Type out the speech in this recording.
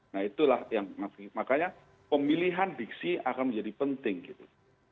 nah itulah yang makanya pemilihan diksi akan menjadi penting gitu